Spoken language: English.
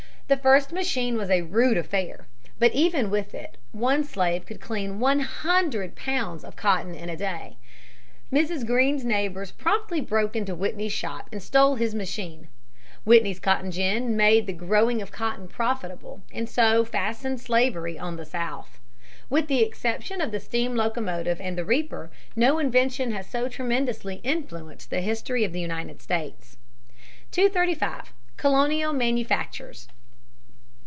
The first machine was a rude affair. But even with it one slave could clean one hundred pounds of cotton in a day. Mrs. Greene's neighbors promptly broke into Whitney's shop and stole his machine. Whitney's cotton gin made the growing of cotton profitable and so fastened slavery on the South. With the exception of the steam locomotive (p. 241) and the reaper (p. 260), no invention has so tremendously influenced the history of the United States. [Sidenote: Early manufactures.] 235. Colonial Manufactures.